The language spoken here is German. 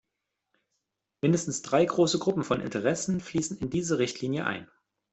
Mindestens drei große Gruppen von Interessen fließen in diese Richtlinie ein.